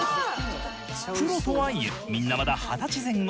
プロとはいえみんなまだ二十歳前後。